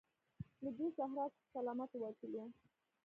له دې صحرا څخه سلامت ووتلو.